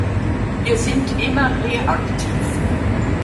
Wir sind immer reaktiv.